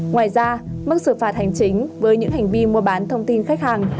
ngoài ra mức xử phạt hành chính với những hành vi mua bán thông tin khách hàng